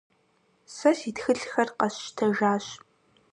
Сэ си тхылъхэр къэсщтэжащ.